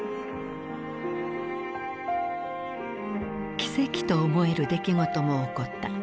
奇跡と思える出来事も起こった。